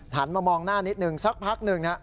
หันมามองหน้านิดหนึ่งสักพักหนึ่ง